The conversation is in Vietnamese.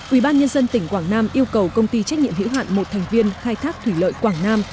ubnd tỉnh quảng nam yêu cầu công ty trách nhiệm hữu hạn một thành viên khai thác thủy lợi quảng nam